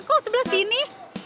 kok sebelah sini